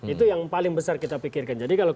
itu yang paling besar kita pikirkan jadi kalau